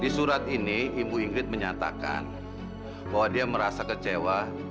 di surat ini ibu ingrit menyatakan bahwa dia merasa kecewa